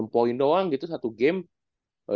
lima puluh enam poin doang gitu satu game